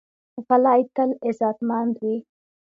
غلی، تل عزتمند وي.